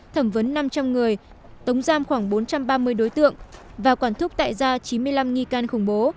thẩm vấn năm trăm linh người tống giam khoảng bốn trăm ba mươi đối tượng và quản thúc tại ra chín mươi năm nghi can khủng bố